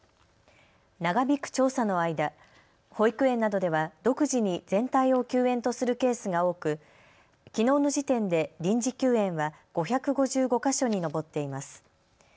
長引く調査の間、保育園などでは独自に全体を休園とするケースが多くきのうの時点で臨時休園は５５５か所に上っています。